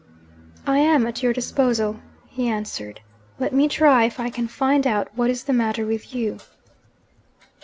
'I am at your disposal,' he answered. 'Let me try if I can find out what is the matter with you.'